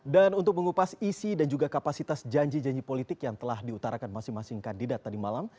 dan untuk mengupas isi dan juga kapasitas janji janji politik yang telah diutarakan masing masing kandidat tadi malam